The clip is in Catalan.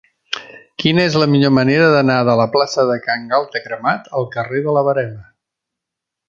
Quina és la millor manera d'anar de la plaça de Can Galta Cremat al carrer de la Verema?